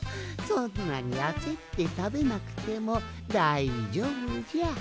そんなにあせってたべなくてもだいじょうぶじゃ。